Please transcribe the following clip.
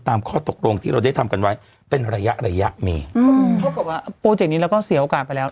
ตามข้อตกลงที่เราได้ทำกันไว้เป็นระยะระยะมีเพราะว่าโปรเจกต์นี้เราก็เสียโอกาสไปแล้ว